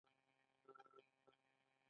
ځکه هر یوه په یوه څانګه کې تخصص درلود